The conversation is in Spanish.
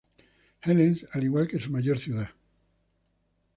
Helens, al igual que su mayor ciudad.